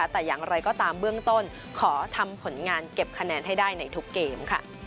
แต่อย่างไรก็ตามเบื้องต้นขอทำผลงานเก็บคะแนนให้ได้ในทุกเกม